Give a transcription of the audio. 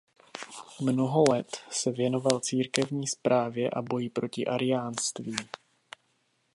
Mnoho let se věnoval církevní správě a boji proti ariánství.